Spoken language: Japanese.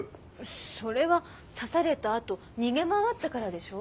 それは刺されたあと逃げ回ったからでしょう？